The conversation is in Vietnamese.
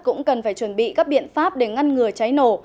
cũng cần phải chuẩn bị các biện pháp để ngăn ngừa cháy nổ